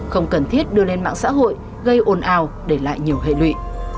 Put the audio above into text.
không cần thiết đưa lên mạng xã hội gây ồn ào để lại nhiều hệ lụy